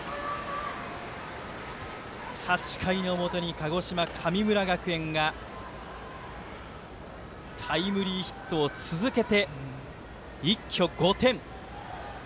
８回の表に鹿児島、神村学園がタイムリーヒットを続けて一挙５点。